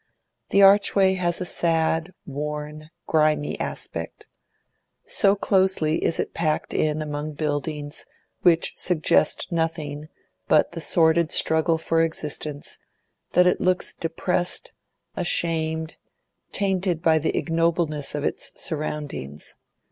The archway has a sad, worn, grimy aspect. So closely is it packed in among buildings which suggest nothing but the sordid struggle for existence, that it looks depressed, ashamed, tainted by the ignobleness of its surroundings.